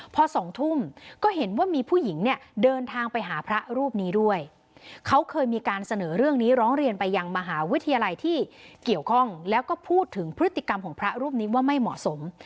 พอสองทุ่มก็เห็นว่ามีผู้หญิงเนี่ยเดินทางไปหาพระรูปนี้ด้วยเขาเคยมีการเสนอเรื่องนี้ร้องเรียนไปยังมหาวิทยาลัยที่เกี่ยวข้องแล้วก็พูดถึงพฤติกรรมของพระรูปนี้ว่าไม่เหมาะสม